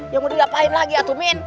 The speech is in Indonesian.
yang mau dilapain lagi ya tumin